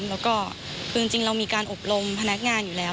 แล้วก็คือจริงเรามีการอบรมพนักงานอยู่แล้ว